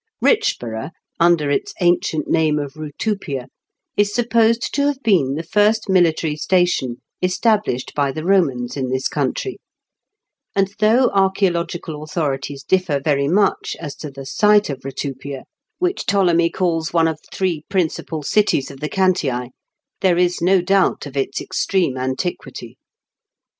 Kich borough, under its ancient name of Kutupia, is supposed to have been the first military station established by the Komans in this country ; and, though archaeological authorities diflfer very much as to the site of Kutupia, which Ptolemy calls one of three principal cities of the Cantii, there is no doubt of its extreme antiquity.